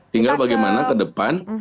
tinggal bagaimana ke depan